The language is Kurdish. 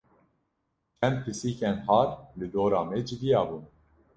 Çend pisîkên har li dora me civiyabûn.